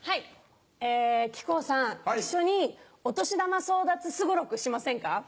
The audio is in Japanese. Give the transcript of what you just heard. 木久扇さん一緒にお年玉争奪すごろくしませんか？